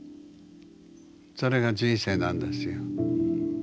それが人生なんですよ。